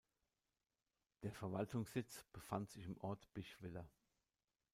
Der Verwaltungssitz befand sich im Ort Bischwiller.